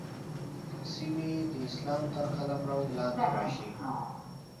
سیمې د اسلام تر قلمرو لاندې راشي.